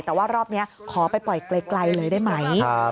แต่ว่ารอบนี้ขอไปปล่อยไกลเลยได้ไหม